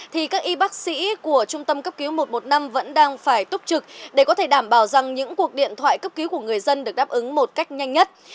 thì các y bác sĩ của trung tâm cấp cứu một trăm một mươi năm vẫn đang phải túc trực để có thể đảm bảo rằng những cuộc điện thoại cấp cứu của người dân được đáp ứng một cách nhanh nhất